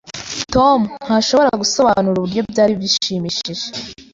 Tom ntashobora gusobanura uburyo byari bishimishije.